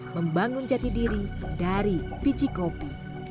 membangun jati diri dari biji kopi